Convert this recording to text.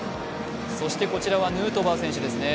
こちらはヌートバー選手ですね。